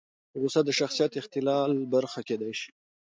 غوسه د شخصیت اختلال برخه کېدای شي.